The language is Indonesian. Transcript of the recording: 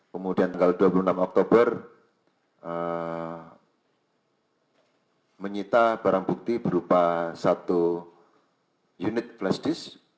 kemudian tanggal dua puluh enam oktober menyita barang bukti berupa satu unit flash disk